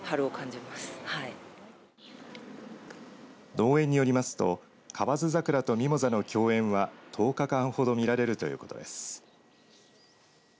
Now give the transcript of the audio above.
農園によりますと河津桜とミモザの競演は１０日間ほど見られるということです。